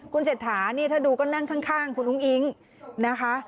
คุณเศรษฐานี่ถ้าดูก็นั่งข้างคุณอุ้งอิ๊งนะคะ